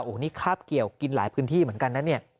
โอ้โหนี่คาบเกี่ยวกินหลายพื้นที่เหมือนกันนะเนี่ย